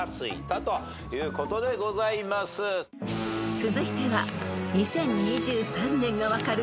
［続いては］